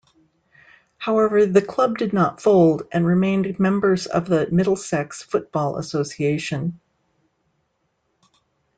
However, the club did not fold and remained members of the Middlesex Football Association.